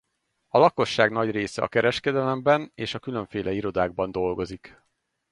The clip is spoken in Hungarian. A lakosság nagy része a kereskedelemben és a különféle irodákban dolgozik.